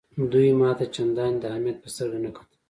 دوی ما ته چنداني د اهمیت په سترګه نه کتل.